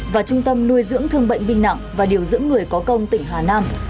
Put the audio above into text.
và trung tâm nuôi dưỡng thương bệnh binh nặng và điều dưỡng người có công tỉnh hà nam